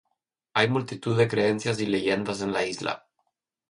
Hay multitud de creencias y leyendas en la isla.